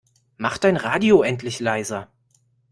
Mach dein Radio endlich leiser!